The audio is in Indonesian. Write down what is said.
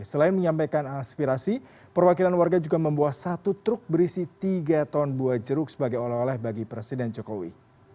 selain menyampaikan aspirasi perwakilan warga juga membawa satu truk berisi tiga ton buah jeruk sebagai oleh oleh bagi presiden jokowi